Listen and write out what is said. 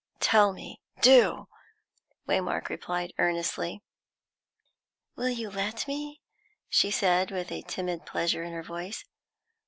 "Tell me do," Waymark replied earnestly. "Will you let me?" she said, with a timid pleasure in her voice.